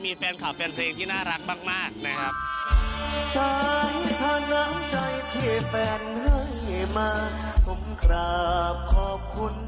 มีแฟนคลับแฟนเพลงที่น่ารักมากนะครับ